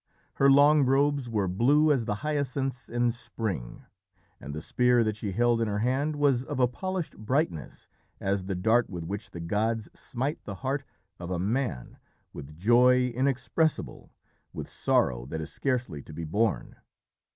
Her long robes were blue as the hyacinths in spring, and the spear that she held in her hand was of a polished brightness, as the dart with which the gods smite the heart of a man, with joy inexpressible, with sorrow that is scarcely to be borne.